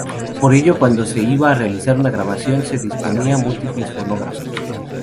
Por ello, cuando se iba a realizar una grabación, se disponían múltiples fonógrafos.